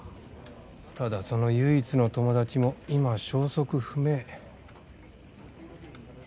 ただその唯一の友達も今消息不明。